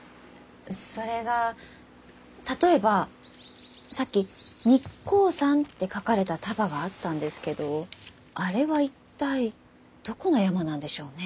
それが例えばさっき「日光山」って書かれた束があったんですけどあれは一体どこの山なんでしょうね？